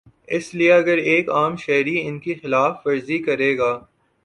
اس لیے اگر ایک عام شہری ان کی خلاف ورزی کرے گا۔